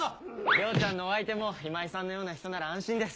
涼ちゃんのお相手も今井さんのような人なら安心です。